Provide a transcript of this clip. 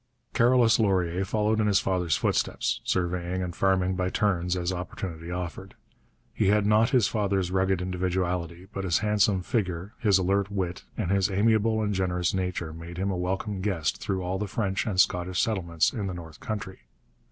Carolus Laurier followed in his father's footsteps, surveying and farming by turns as opportunity offered. He had not his father's rugged individuality, but his handsome figure, his alert wit, and his amiable and generous nature made him a welcome guest through all the French and Scottish settlements in the north country.